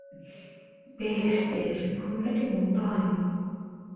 বেশ বেশ, ভূমিকাটি মন্দ হয় নি।